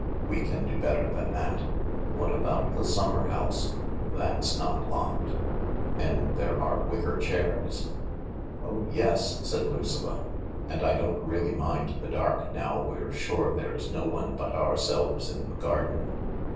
" We can do better than that. What about the summer house. That's not locked, and there are wicker chairs." " Oh yes ! "said Lucilla. "And I don't really mind the dark now we're sure there's no one but ourselves in the garden.